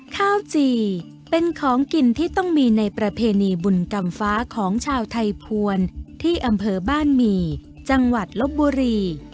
ข้าวจี่เป็นของกินที่ต้องมีในประเพณีบุญกรรมฟ้าของชาวไทยภวรที่อำเภอบ้านหมี่จังหวัดลบบุรี